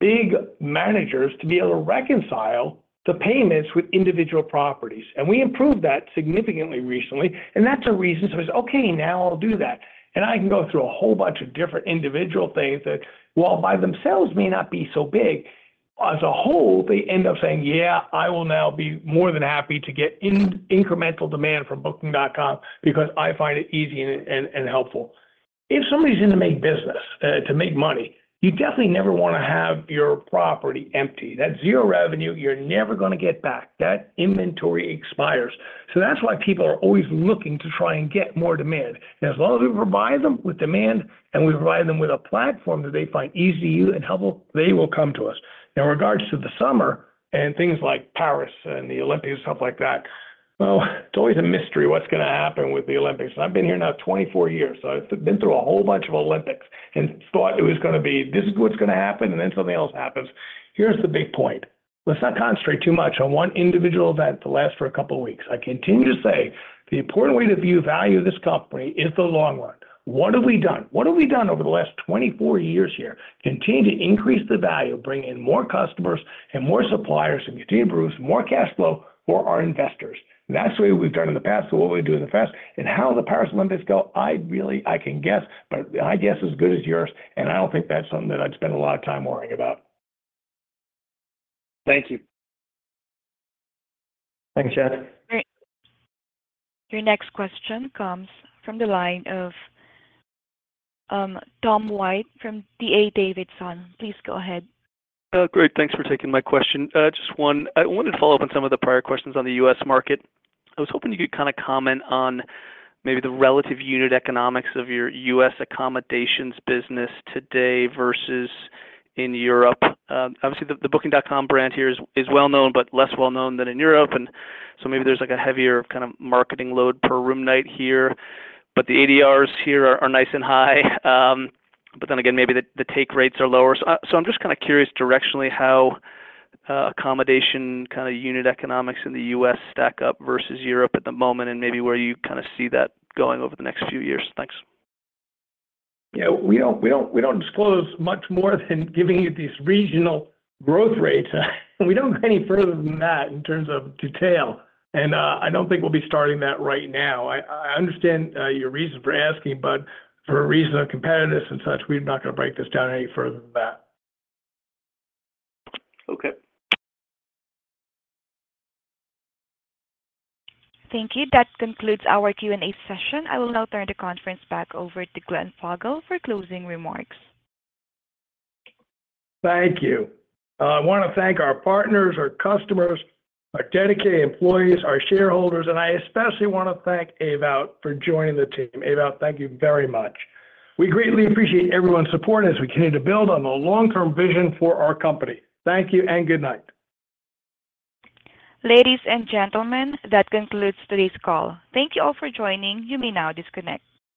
S2: big managers to be able to reconcile the payments with individual properties. We improved that significantly recently, and that's a reason somebody said, "Okay, now I'll do that." I can go through a whole bunch of different individual things that, while by themselves may not be so big, as a whole, they end up saying, "Yeah, I will now be more than happy to get incremental demand from Booking.com because I find it easy and helpful." If somebody's in the main business to make money, you definitely never wanna have your property empty. That zero revenue, you're never gonna get back. That inventory expires. So that's why people are always looking to try and get more demand. As long as we provide them with demand, and we provide them with a platform that they find easy to use and helpful, they will come to us. In regards to the summer and things like Paris and the Olympics and stuff like that, well, it's always a mystery what's gonna happen with the Olympics. I've been here now 24 years, so I've been through a whole bunch of Olympics and thought it was gonna be, "This is what's gonna happen," and then something else happens. Here's the big point: Let's not concentrate too much on one individual event that lasts for a couple of weeks. I continue to say, the important way to view value of this company is the long run. What have we done? What have we done over the last 24 years here? Continue to increase the value, bring in more customers and more suppliers, and continue to produce more cash flow for our investors. That's the way we've done in the past, so what we'll do in the past and how the Paris Olympics go, I really I can guess, but my guess is as good as yours, and I don't think that's something that I'd spend a lot of time worrying about.
S14: Thank you.
S2: Thanks, Jed.
S1: Great. Your next question comes from the line of Tom White from DA Davidson. Please go ahead.
S15: Great, thanks for taking my question. Just one. I wanted to follow up on some of the prior questions on the U.S. market. I was hoping you could kinda comment on maybe the relative unit economics of your U.S. accommodations business today versus in Europe. Obviously, the Booking.com brand here is well known, but less well known than in Europe, and so maybe there's, like, a heavier kind of marketing load per room night here, but the ADRs here are nice and high. But then again, maybe the take rates are lower. So I'm just kinda curious directionally how accommodation kinda unit economics in the U.S. stack up versus Europe at the moment, and maybe where you kinda see that going over the next few years. Thanks.
S2: Yeah, we don't disclose much more than giving you these regional growth rates. We don't go any further than that in terms of detail, and I don't think we'll be starting that right now. I understand your reason for asking, but for a reason of competitiveness and such, we're not gonna break this down any further than that.
S15: Okay.
S1: Thank you. That concludes our Q&A session. I will now turn the conference back over to Glenn Fogel for closing remarks.
S2: Thank you. I wanna thank our partners, our customers, our dedicated employees, our shareholders, and I especially wanna thank Ewout for joining the team. Ewout, thank you very much. We greatly appreciate everyone's support as we continue to build on the long-term vision for our company. Thank you and good night.
S1: Ladies and gentlemen, that concludes today's call. Thank you all for joining. You may now disconnect.